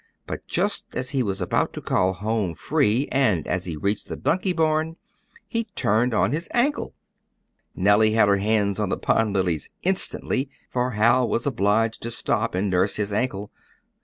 But just as he was about to call "home free" and as he reached the donkey barn, he turned on his ankle. Nellie had her hands on the pond lilies instantly, for Hal was obliged to stop and nurse his ankle.